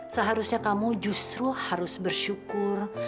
seharusnya kamu justru harus bersyukur